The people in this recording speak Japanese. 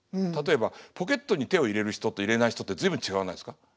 例えばポケットに手を入れる人と入れない人って随分違わないですか？